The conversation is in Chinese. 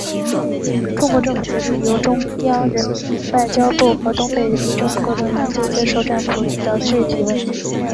中国政府决定由中央人民政府外交部和东北人民政府共同研究接受战俘的具体问题。